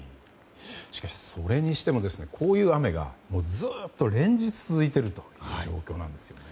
しかし、それにしてもこういう雨がずっと連日続いている状況なんですね。